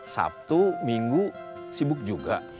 sabtu minggu sibuk juga